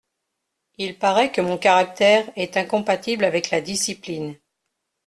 Il paraît que mon caractère est incompatible avec la discipline.